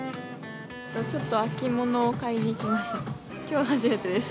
ちょっと秋物を買いに来ました。